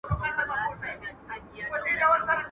جغ پر غاړه، او جغ غواړه.